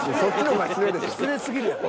失礼すぎるやろ。